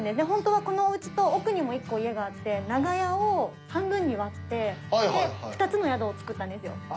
ホントはこのお家と奥にも１個家があって長屋を半分に割ってで２つの宿を造ったんですよ。